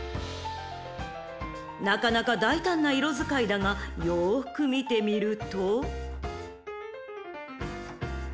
［なかなか大胆な色使いだがよく見てみると］